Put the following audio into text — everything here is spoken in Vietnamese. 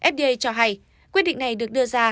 fda cho hay quyết định này được đưa ra